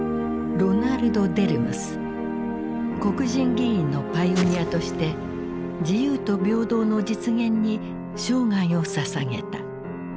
黒人議員のパイオニアとして自由と平等の実現に生涯を捧げた。